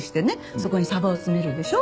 そこに鯖を詰めるでしょ？